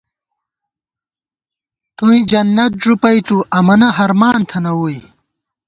توئیں جنت ݫُپَئیتُو ، امَنہ ہرمان تھنہ ووئی